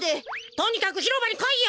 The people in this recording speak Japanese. とにかくひろばにこいよ！